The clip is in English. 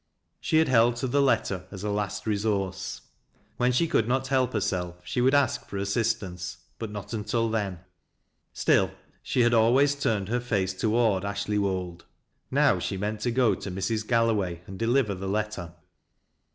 She had held to the letter as a last resource. When she X)uld not help herself she would ask for assistance, but not until then. Still she had ulways turned her face to ward Ashley Wold. Now she meant to go to Mrs. Gallo !vay and deliver the letter.